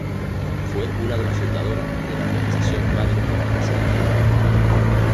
Fue una de las fundadoras de la organización Madres de Plaza de Mayo.